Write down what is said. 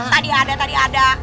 tadi ada tadi ada